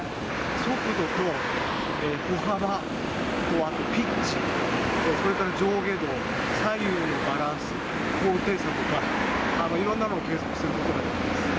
速度と歩幅、あとピッチ、それから上下動、左右のバランス、高低差とか、いろんなの計測することができます。